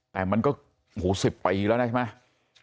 แต่มันก็๑๐ปีแล้วนะใช่ไหม